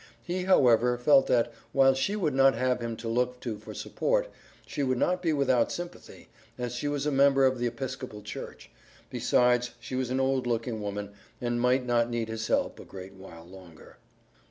He, however, felt that, while she would not have him to look to for support, she would not be without sympathy, as she was a member of the Episcopal Church; besides she was an old looking woman and might not need his help a great while longer.